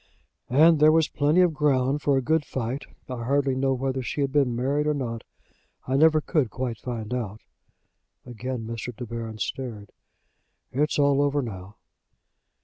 "And there was plenty of ground for a good fight. I hardly know whether she had been married or not. I never could quite find out." Again Mr. De Baron stared. "It's all over now."